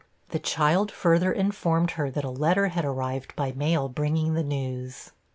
The child further informed her that a letter had arrived by mail bringing the news.